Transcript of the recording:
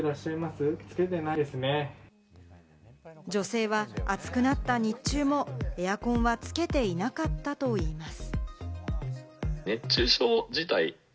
女性は暑くなった日中もエアコンはつけていなかったといいます。